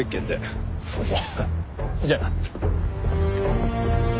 じゃあな。